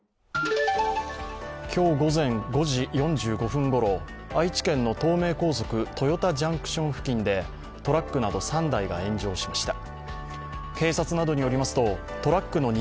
今日午前５時４５分ごろ、愛知県の東名高速豊田ジャンクション付近でトラックなど３台が炎上しました。